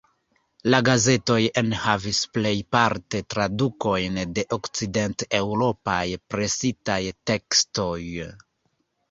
La gazetoj enhavis plejparte tradukojn de okcident-eŭropaj presitaj tekstoj.